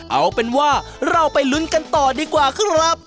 เอาเป็นว่าเราไปลุ้นกันต่อดีกว่าครับ